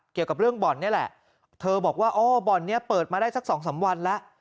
เกี่ยวกับเรื่องบ่อนนี่แหละเธอบอกว่าโอ้บ่อนนี้เปิดมาได้สักสองสามวันแล้ว